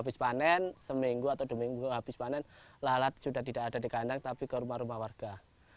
habis panen seminggu atau dua minggu habis panen lalat sudah tidak ada di kandang tapi ke rumah rumah warga